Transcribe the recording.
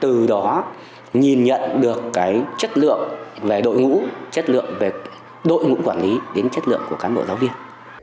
từ đó nhìn nhận được chất lượng về đội ngũ chất lượng về đội ngũ quản lý đến chất lượng của cán bộ giáo viên